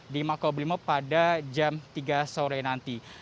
di makau belimo pada jam tiga sore nanti